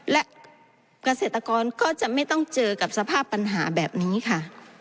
และเกษตรกรก็จะไม่ต้องเจอกับสภาพปัญหาแบบนี้ค่ะ